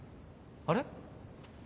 あれ？